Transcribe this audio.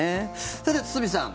さて、堤さん